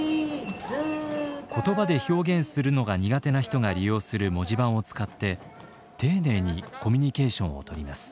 言葉で表現するのが苦手な人が利用する文字盤を使って丁寧にコミュニケーションをとります。